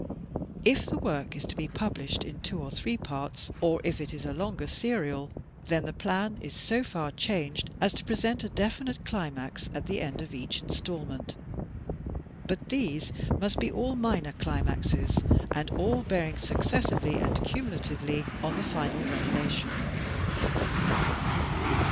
If the work is to be published in two or three parts, or if 28o THE TECHNIQUE OF THE MYSTERY STORY it IS a longer serial, then the plan is so far changed as to present a definite climax at the end of each installment. But these must be all minor climaxes and all bearing successively and cumulatively on the final revelation.